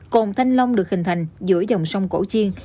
cồn thanh long được hình thành giữa dòng sông cổ chiên